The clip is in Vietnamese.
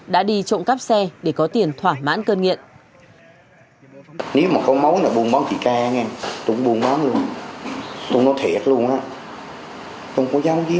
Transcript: đã đi trộm cắp xe để có tiền thỏa mãn cân nghiệp